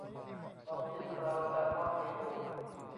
ลองกินปลาแซลมอนนี้ดู